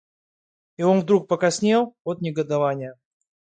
И он вдруг покраснел от негодования.